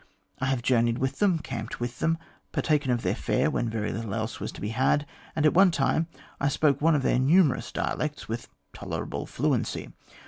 I have journeyed with them, camped with them, partaken of their fare when very little else was to be had, and at one time I spoke one of their numerous dialects with tolerable fluency.